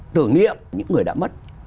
tưởng niệm những người đã mất